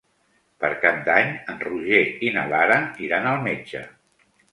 Per Cap d'Any en Roger i na Lara iran al metge.